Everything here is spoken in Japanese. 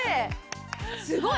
すごい。